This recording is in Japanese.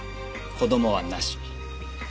子供はなし。